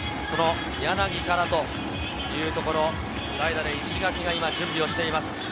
その柳からというところ、代打で石垣が今、準備をしています